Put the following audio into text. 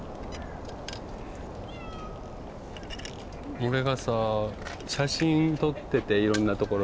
俺がさ写真撮ってていろんなところで。